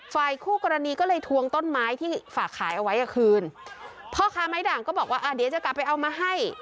ฝ่ายคู่กรณีก็เลยทวงต้นไม้ที่ฝากขายเอาไว้อ่ะคืนพ่อค้าไม้ด่างก็บอกว่าอ่าเดี๋ยวจะกลับไปเอามาให้